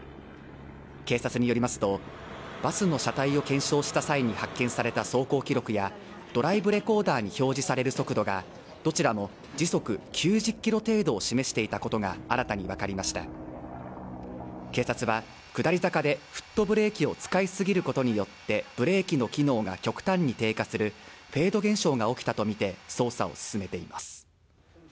警察によりますとバスの車体を検証した際に発見された走行記録やドライブレコーダーに表示される速度がどちらも時速９０キロ程度を示していたことが新たに分かりました警察は下り坂でフットブレーキを使いすぎることによってブレーキの機能が極端に低下するフェード現象が起きたと見て捜査を進めています